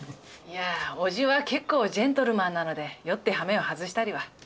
いやおじは結構ジェントルマンなので酔ってはめを外したりは。